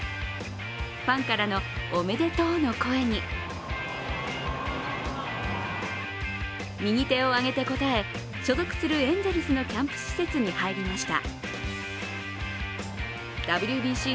ファンからのおめでとうの声に右手を上げて応え所属するエンゼルスのキャンプ施設に入りました。